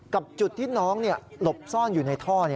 กับจุดที่น้องหลบซ่อนอยู่ในท่อ